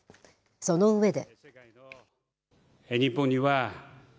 その上で。